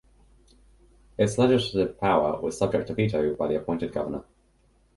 Its legislative power was subject to veto by the appointed Governor.